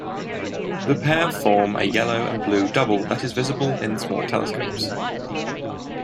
The pair form a yellow and blue double that is visible in small telescopes.